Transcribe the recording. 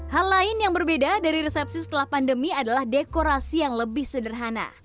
hal lain yang berbeda dari resepsi setelah pandemi adalah dekorasi yang lebih sederhana